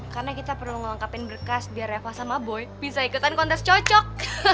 karena kita perlu ngelengkapin berkas biar eva sama boy bisa ikutan kontes cocok